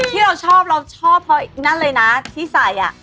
ที่เราชอบเราชอบเพราะนั่นเลยนะที่ใส่